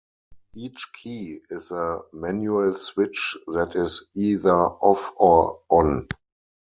Each key is a manual switch that is either off or on.